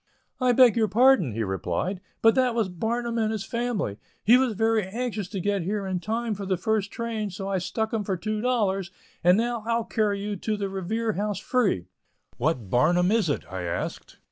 "I beg your pardon," he replied, "but that was Barnum and his family. He was very anxious to get here in time for the first train, so I stuck him for $2, and now I'll carry you to the Revere House free." "What Barnum is it?" I asked.